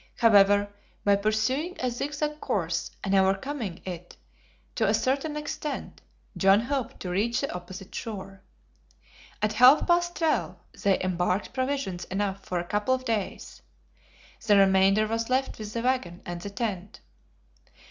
However, by pursuing a zigzag course, and overcoming it to a certain extent, John hoped to reach the opposite shore. At half past twelve, they embarked provisions enough for a couple of days. The remainder was left with the wagon and the tent.